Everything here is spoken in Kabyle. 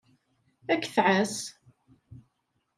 Ad k-tɛass.